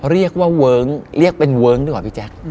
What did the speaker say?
เรียกว่าเวิ้งเรียกเป็นเวิ้งดีกว่าพี่แจ๊ค